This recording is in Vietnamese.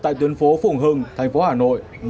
tại tuyến phố phủng hưng tp hcm